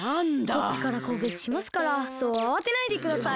こっちからこうげきしますからそうあわてないでください。